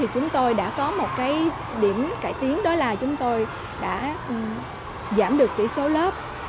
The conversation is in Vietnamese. chúng tôi đã có một điểm cải tiến đó là chúng tôi đã giảm được sĩ số lớp